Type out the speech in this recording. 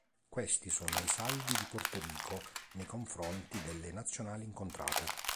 Questi sono i saldi di Porto Rico nei confronti delle Nazionali incontrate.